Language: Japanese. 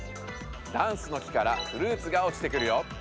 ダンスの木からフルーツがおちてくるよ。